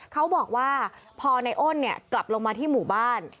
เขาบอกว่าพอในอ้นกลับลงมาที่หมู่บ้าน